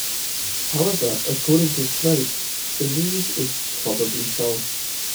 However, according to Snopes, the news is "probably false".